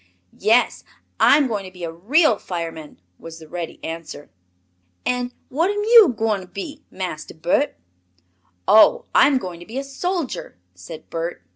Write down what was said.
"Yes, I'm going to be a real fireman," was the ready answer. "An' what am yo' gwine to be, Master Bert?" "Oh, I'm going to be a soldier," said Bert.